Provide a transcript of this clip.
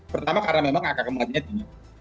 pertama karena memang angka kematiannya tinggi